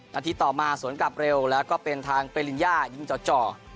นาทีต่อมาสวนกลับเร็วแล้วก็เป็นทางเปลินญายิงจ่อ